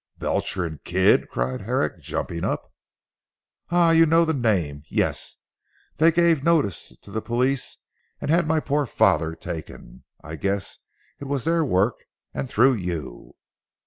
"Belcher and Kidd!" cried Herrick jumping up. "Ah, you know the name. Yes. They gave notice to the police and had my poor father taken. I guessed it was their work and through you."